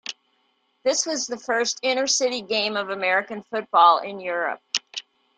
This was the first intercity game of American football in Europe.